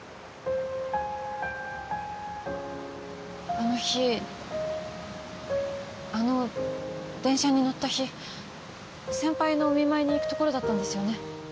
あの日あの電車に乗った日先輩のお見舞いに行くところだったんですよね？